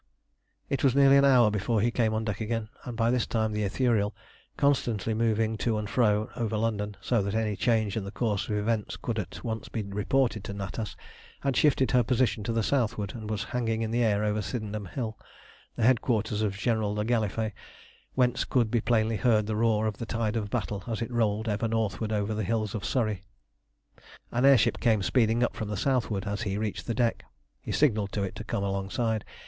It was nearly an hour before he came on deck again, and by this time the Ithuriel, constantly moving to and fro over London, so that any change in the course of events could be at once reported to Natas, had shifted her position to the southward, and was hanging in the air over Sydenham Hill, the headquarters of General le Gallifet, whence could be plainly heard the roar of the tide of battle as it rolled ever northward over the hills of Surrey. An air ship came speeding up from the southward as he reached the deck. He signalled to it to come alongside.